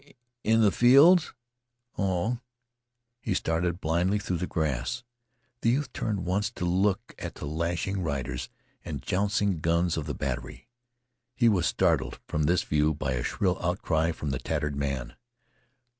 "Oh! Inteh th' fields? Oh!" He started blindly through the grass. The youth turned once to look at the lashing riders and jouncing guns of the battery. He was startled from this view by a shrill outcry from the tattered man.